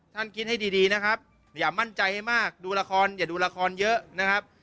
คิดให้ดีนะครับอย่ามั่นใจให้มากดูละครอย่าดูละครเยอะนะครับ